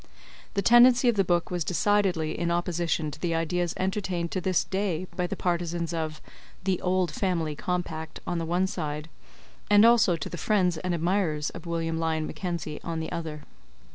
The tendency of the book was decidedly in opposition to the ideas entertained to this day by the partizans of the "Old Family Compact" on the one side, and also to the friends and admirers of William Lyon Mackenzie on the other.